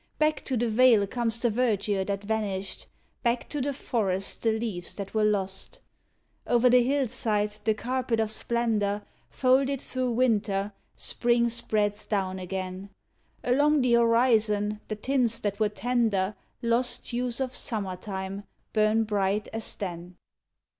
Back to the vale comes the verdure that vanished, Back to the forest the leaves that were lost. Over the hillside the carpet of splendor, Folded through Winter, Spring spreads down again; Along the horizon, the tints that were tender, Lost hues of Summer time, burn bright as then.